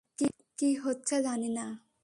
কী হচ্ছে জানি না।